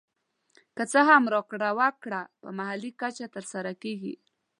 که څه هم راکړه ورکړه په محلي کچه تر سره کېږي